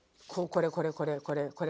これこれこれこれ。